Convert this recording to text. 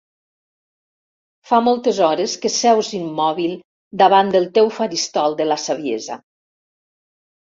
Fa moltes hores que seus immòbil davant del teu faristol de la saviesa.